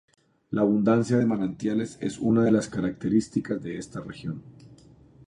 La abundancia de manantiales es una de las características de esta región.